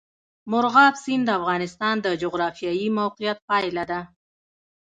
مورغاب سیند د افغانستان د جغرافیایي موقیعت پایله ده.